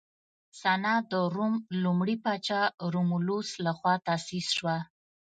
سنا د روم لومړي پاچا رومولوس لخوا تاسیس شوه